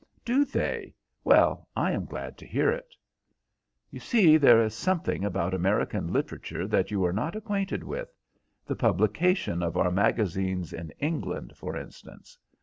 "Do they? Well, I am glad to hear it." "You see, there is something about American literature that you are not acquainted with, the publication of our magazines in England, for instance.